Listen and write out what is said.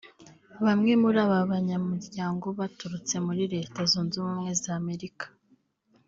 Bamwe muri aba banyamuryango baturutse muri Leta Zunze Ubumwe za Amerika